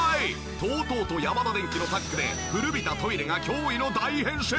ＴＯＴＯとヤマダデンキのタッグで古びたトイレが驚異の大変身！